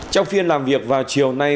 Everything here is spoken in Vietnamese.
trong phiên làm việc vào chiều nay